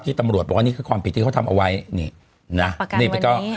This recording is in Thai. ตำรวจบอกว่านี่คือความผิดที่เขาทำเอาไว้นี่นะนี่มันก็